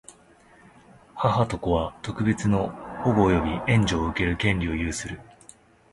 母と子とは、特別の保護及び援助を受ける権利を有する。